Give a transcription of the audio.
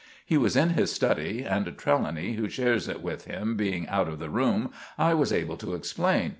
He was in his study, and Trelawny, who shares it with him, being out of the room, I was able to explain.